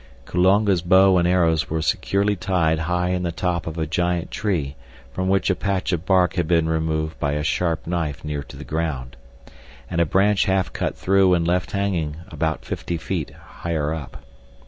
Kulonga's bow and arrows were securely tied high in the top of a giant tree from which a patch of bark had been removed by a sharp knife near to the ground, and a branch half cut through and left hanging about fifty feet higher up.